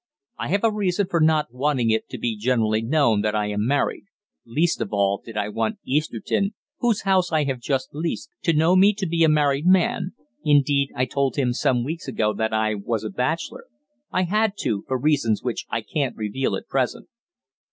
"I have a reason for not wanting it to be generally known that I am married, least of all did I want Easterton, whose house I have just leased, to know me to be a married man; indeed, I told him some weeks ago that I was a bachelor I had to, for reasons which I can't reveal at present."